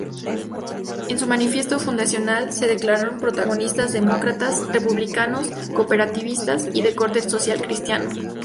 En su manifiesto fundacional se declararon progresistas, demócratas, republicanos, cooperativistas y de corte socialcristiano.